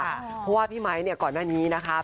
เพราะว่าพี่ไมค์เนี่ยก่อนหน้านี้นะคะ